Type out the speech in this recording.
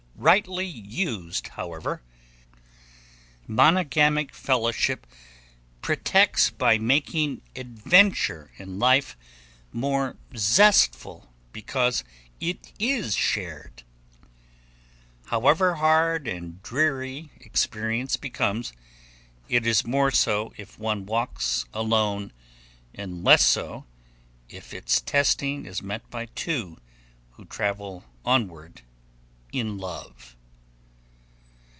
Rightly used, however, monogamic fellowship protects by making adventure in life more zestful because it is shared. However hard and dreary experience becomes, it is more so if one walks alone and less so if its testing is met by two who travel onward in love.